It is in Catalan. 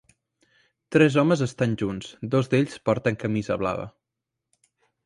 Tres homes estan junts, dos d'ells porten camisa blava.